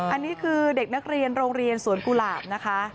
อันนี้คือเด็กนักเรียนโรงเรียนสวนกุหลาบนะคะ